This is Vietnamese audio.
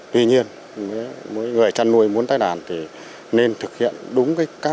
tuy nhiên mỗi người chăn nuôi muốn tái đàn thì nên thực hiện đúng cái cách